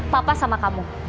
bapak sama kamu